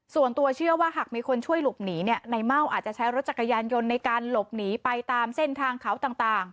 ส่วนตัวเชื่อว่าหากมีคนช่วยหลบหนีเนี่ยในเม่าอาจจะใช้รถจักรยานยนต์ในการหลบหนีไปตามเส้นทางเขาต่าง